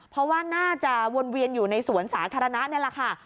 เพราะว่าน่าจะวนเวียนอยู่ในสวนสาธารณะนี่แหละค่ะ